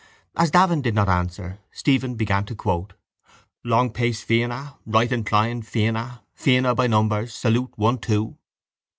As Davin did not answer, Stephen began to quote: —Long pace, fianna! Right incline, fianna! Fianna, by numbers, salute, one, two!